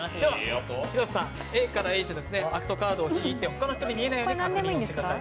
広瀬さん、ＡＨのアクトカードを引いて、他の人に見えないようにしてください。